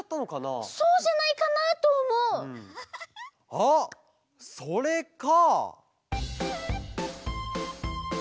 あっそれか。